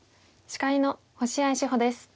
司会の星合志保です。